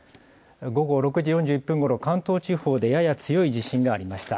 午後６時４０分ごろ、関東地方でやや強い地震がありました。